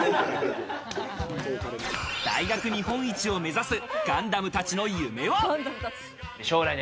大学日本一を目指すガンダムたちの夢は。